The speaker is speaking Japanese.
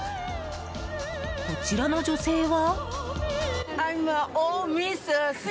こちらの女性は？